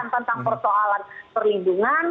tentang persoalan perlindungan